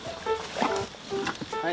はい。